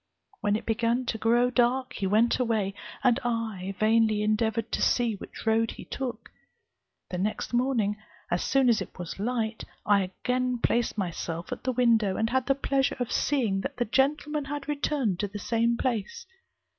When it began to grow dark he went away, and I vainly endeavoured to see which road he took. The next morning, as soon as it was light, I again placed myself at the window, and had the pleasure of seeing that the gentleman had returned to the same place.